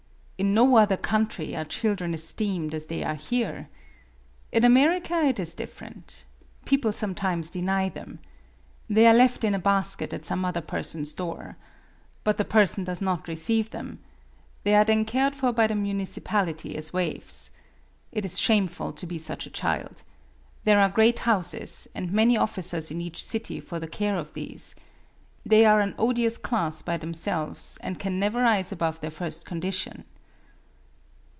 In no other country are children esteemed as they are here. In America it is different. People sometimes deny them. They are left in a basket at some other person's door. But the person does not receive them. They are then cared for by the municipality as waifs. It is shameful to be such a child. There are great houses and many officers in each city for the care of these. They are an odious class by themselves, and can never rise above their first condition."